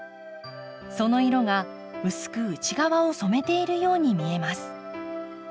その色が薄く内側を染めているように見えます。